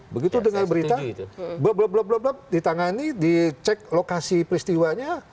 begitu dengan berita bla bla bla bla ditangani dicek lokasi peristiwanya